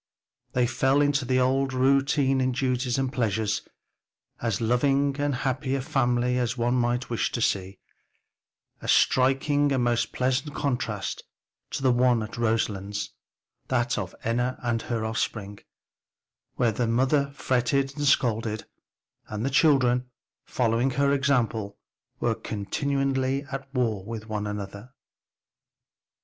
They fell into the old round of duties and pleasures, as loving and happy a family as one might wish to see; a striking and most pleasant contrast to the one at Roselands, that of Enna and her offspring where the mother fretted and scolded, and the children, following her example were continually at war with one another.